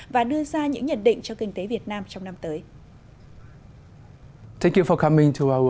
và đưa ra những nhận định cho kinh tế việt nam trong năm tới